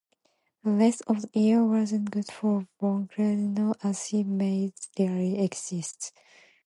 The rest of the year wasn't good for Bondarenko as she made early exits.